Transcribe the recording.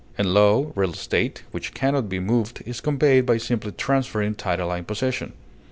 In law, real estate, which can not be moved, is conveyed by simply transferring title and possession.